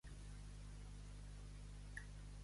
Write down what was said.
La cura del verí mata a qui la toca.